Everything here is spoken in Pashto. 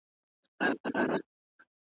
له کارونو یې وه ستړي اندامونه `